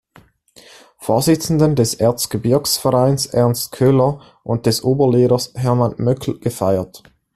Vorsitzenden des Erzgebirgsvereins, Ernst Köhler, und des Oberlehrers Hermann Möckel gefeiert.